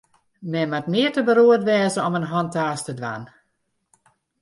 Men moat nea te beroerd wêze om in hantaast te dwaan.